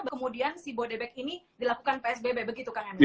kemudian si bodebek ini dilakukan psbb begitu kang emil